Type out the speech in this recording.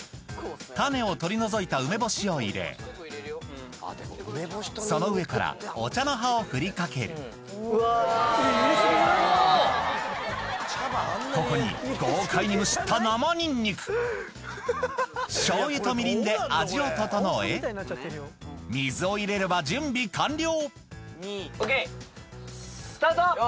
種を取り除いた梅干しを入れその上からお茶の葉を振りかけるここに豪快にむしった生にんにく醤油とみりんで味を調え水を入れれば準備完了